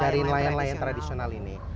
dari nelayan nelayan tradisional ini